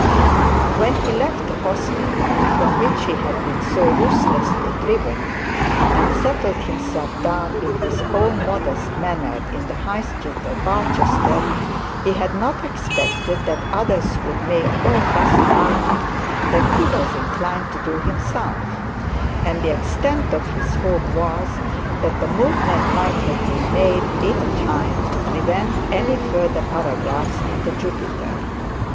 When he left the hospital from which he had been so ruthlessly driven, and settled himself down in his own modest manner in the High Street of Barchester, he had not expected that others would make more fuss about it than he was inclined to do himself; and the extent of his hope was, that the movement might have been made in time to prevent any further paragraphs in the Jupiter.